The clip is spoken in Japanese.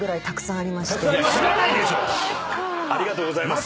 ありがとうございます。